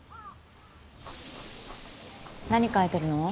何描いてるの？